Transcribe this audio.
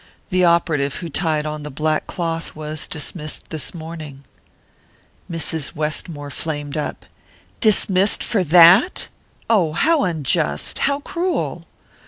The operative who tied on the black cloth was dismissed this morning." Mrs. Westmore flamed up. "Dismissed for that? Oh, how unjust how cruel!"